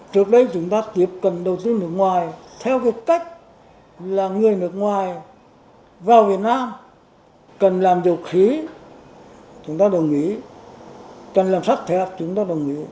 trước đây chúng ta tiếp cận đầu tư nước ngoài theo cái cách là người nước ngoài vào việt nam cần làm điều khí chúng ta đồng ý cần làm sát thể hợp chúng ta đồng ý